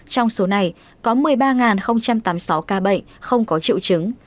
trong số này có một mươi ba tám mươi sáu ca bệnh không có triệu chứng